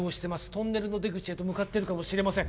「トンネルの出口へと向かってるかもしれません」